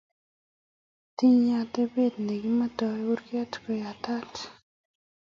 Tinyei atepto ne kimetoi kurket ko yatat